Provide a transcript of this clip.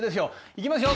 行きますよ！